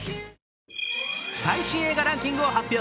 最新映画ランキングを発表。